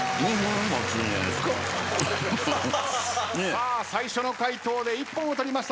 さあ最初の回答で一本を取りました